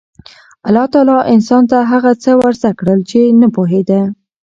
الله تعالی انسان ته هغه څه ور زده کړل چې نه پوهېده.